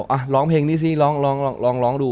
อาห์ล้องเพลงนี้สิล้องล้องล้องดู